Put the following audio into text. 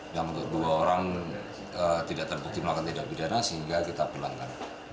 untuk dua orang tidak terbukti melakukan tindak pidana sehingga kita pulangkan